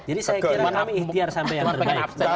jadi saya kira kami ikhtiar sampai yang terbaik